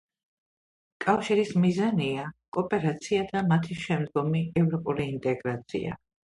კავშირის მიზანია კოოპერაცია და მათი შემდგომი ევროპული ინტეგრაცია.